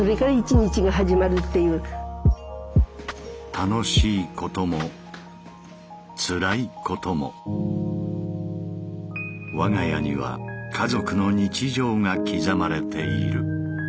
楽しいこともつらいことも我が家には家族の日常が刻まれている。